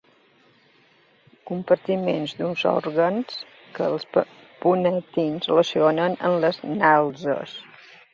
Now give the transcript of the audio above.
Compartiments d'uns òrgans que els ponentins relacionen amb les natges.